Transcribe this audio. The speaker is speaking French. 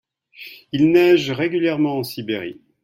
il neige régulièrement en Sibérie.